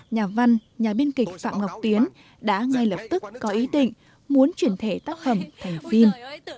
nhà văn nhà biên kịch phạm ngọc tiến đã ngay lập tức có ý định muốn chuyển thể tác phẩm thành phim